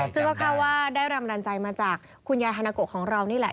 ซึ่งก็คาดว่าได้แรงดันใจมาจากคุณยายฮานาโกะของเรานี่แหละ